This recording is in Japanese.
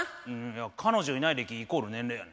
いや彼女いない歴イコール年齢や。